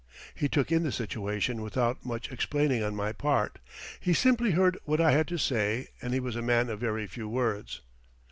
He took in the situation without much explaining on my part. He simply heard what I had to say and he was a man of very few words.